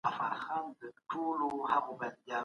په ورځ کې پنځوس تر سل وریښتان تویږي.